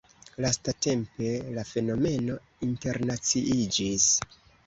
Lastatempe la fenomeno internaciiĝis.